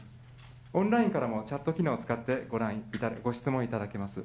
オンラインからもチャット機能を使ってご質問いただけます。